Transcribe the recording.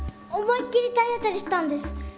思いっきり体当たりしたんです。